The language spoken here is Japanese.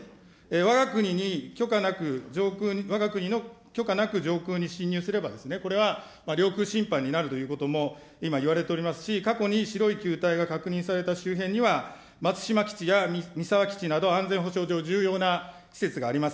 わが国に許可なく、わが国の許可なく上空に侵入すればですね、これは領空侵犯になるということも、今、言われておりますし、過去に白い球体が確認された周辺には、松島基地や三沢基地など、安全保障上重要な施設があります。